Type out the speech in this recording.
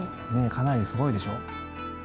かなりすごいでしょ。